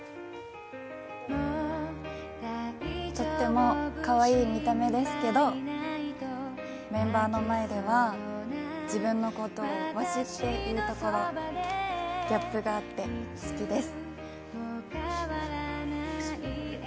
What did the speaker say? とってもかわいい見た目ですけどメンバーの前では自分のことをワシっていうところギャップがあって好きです。